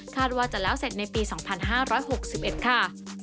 ว่าจะแล้วเสร็จในปี๒๕๖๑ค่ะ